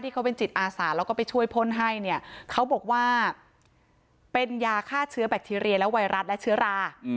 เขาเป็นจิตอาสาแล้วก็ไปช่วยพ่นให้เนี่ยเขาบอกว่าเป็นยาฆ่าเชื้อแบคทีเรียและไวรัสและเชื้อรา